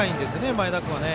前田君は。